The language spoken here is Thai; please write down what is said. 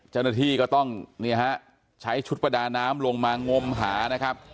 เจ้าหน้าที่ก็ต้องเนี่ยฮะใช้ชุดประดาน้ำลงมางมหานะครับ